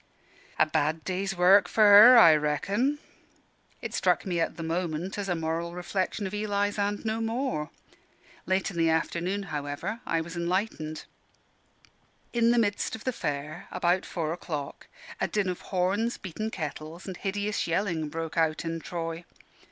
"A bad day's work for her, I reckon." It struck me at the moment as a moral reflection of Eli's, and no more. Late in the afternoon, however, I was enlightened. In the midst of the Fair, about four o'clock, a din of horns, beaten kettles, and hideous yelling, broke out in Troy.